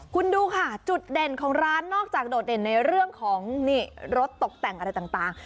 คุณดูค่ะจุดเด่นของร้านนอกจากโดดเด่นในเรื่องของรถตกแต่งอะไรต่าง